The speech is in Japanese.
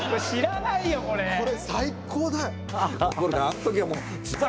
これ最高だよ！